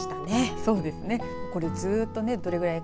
そうですね。